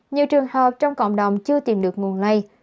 nhiều trường hợp trong cộng đồng chưa tìm được nguồn lây